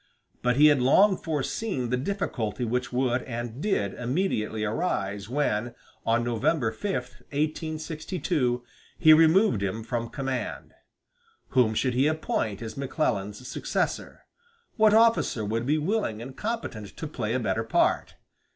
But he had long foreseen the difficulty which would and did immediately arise when, on November 5, 1862, he removed him from command. Whom should he appoint as McClellan's successor? What officer would be willing and competent to play a better part?